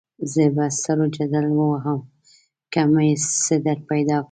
زه به سر وجدل ووهم که مې څه درپیدا کړه.